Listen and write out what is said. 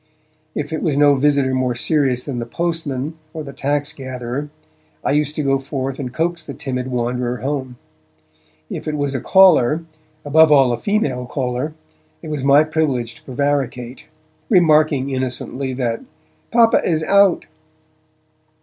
If it was no visitor more serious than the postman or the tax gatherer, I used to go forth and coax the timid wanderer home. If it was a caller, above all a female caller, it was my privilege to prevaricate, remarking innocently that 'Papa is out!'